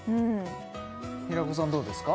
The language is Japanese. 平子さんどうですか？